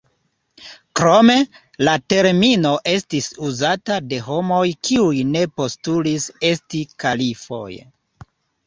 Krome, la termino estis uzata de homoj kiuj ne postulis esti kalifoj.